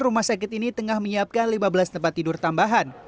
rumah sakit ini tengah menyiapkan lima belas tempat tidur tambahan